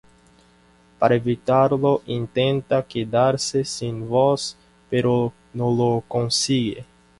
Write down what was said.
Para evitarlo, intenta quedarse sin voz, pero no lo consigue.